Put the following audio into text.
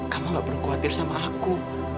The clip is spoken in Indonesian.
kamu gak perlu khawatir sama aku